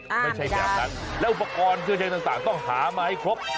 ไม่ใช่แบบนั้นแล้วอุปกรณ์เครื่องใช้ต่างต้องหามาให้ครบ